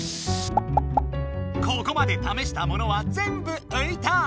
ここまで試したものはぜんぶういた！